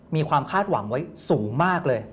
มีความคาดหวังไว้สูงมากเลย